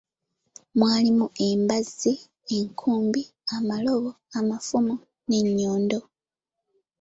Mwalimu embazzi, enkumbi, amalobo, amafumu, n'ennyondo